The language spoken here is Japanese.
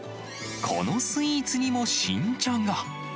このスイーツにも新茶が。